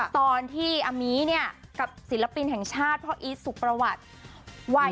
ตอนที่อามีเนี่ยกับศิลปินแห่งชาติพ่ออีทสุประวัติ